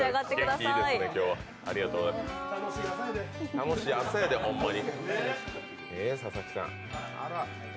楽しい朝やで、ほんまに。